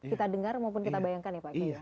kita dengar maupun kita bayangkan ya pak